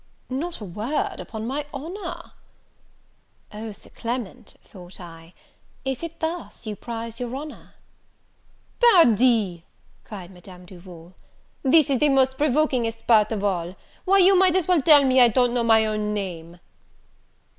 "Not a word, upon my honour." O, Sir Clement, thought I, is it thus you prize your honour! "Pardi," cried Madame Duval, "this is the most provokingest part of all! why, you might as well tell me I don't know my own name."